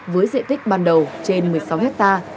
với diện tích ban đầu trên một mươi sáu hectare